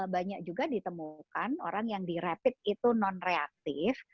banyak juga ditemukan orang yang di rapid itu nonreaktif